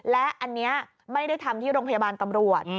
และอันนี้ไม่ได้ทำที่โรงพยาบาลตำรวจ